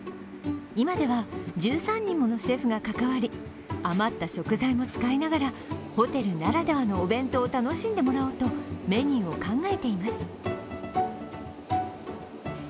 今では１３人ものシェフが関わり、余った食材も使いながらホテルならではのお弁当を楽しんでもらおうとメニューを考えています。